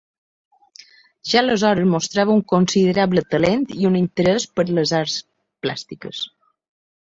Ja aleshores mostrava un considerable talent i un interès per les arts plàstiques.